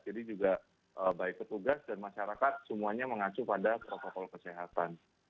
jadi juga baik petugas dan masyarakat semuanya mengacu pada protokol kesehatan